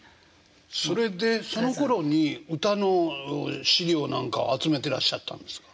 それでそのころに歌の資料なんか集めてらっしゃったんですか？